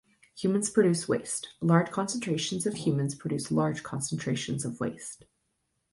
Humans produce waste: Large concentrations of humans produce large concentrations of waste.